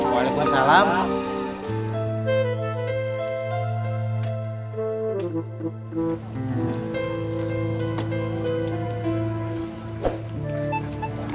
jadi aku pencet reedus